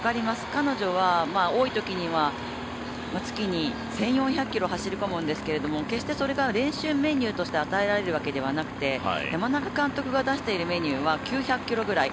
彼女は多いときには、月に１４００ｋｍ走り込むんですけど決してそれが練習メニューとして与えられているわけではなくて山中監督が出しているメニューは９００ｋｍぐらい。